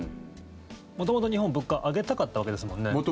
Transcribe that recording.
元々日本、物価上げたかったわけですもんね。